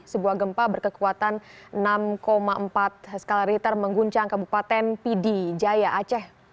sebuah gempa berkekuatan enam empat skala riter mengguncang kabupaten pidi jaya aceh